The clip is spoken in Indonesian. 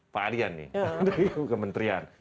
pak aryan nih dari kementerian